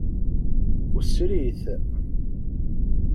Wessrit.